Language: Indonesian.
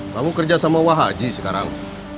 kamu kerja sama wahaji sekarang